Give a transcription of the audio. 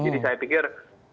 jadi saya pikir